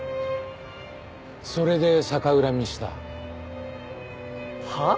それで逆恨みした？はあ？